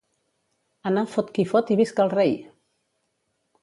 Anar fot qui fot i visca el rei!